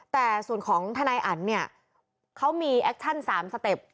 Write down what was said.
แต่ส่วนของทนายอันเนี่ยเขามีแอคชั่น๓สเต็ป